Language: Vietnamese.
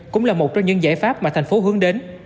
cũng là một trong những giải pháp mà thành phố hướng đến